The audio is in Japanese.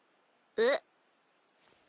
えっ？